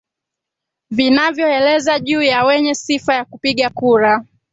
vinavyoeleza juu ya wenye sifa ya kupiga kura